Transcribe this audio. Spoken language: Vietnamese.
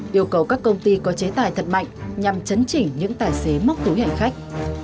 yêu cầu các công ty có chế tài thật mạnh nhằm chấn chỉnh những tài xế móc túi hành khách